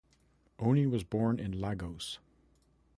Oni was born in Lagos.